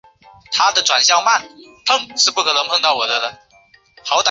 酷儿民族主义是指同性恋解放运动和民族主义相关的现象。